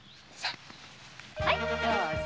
はいどうぞ。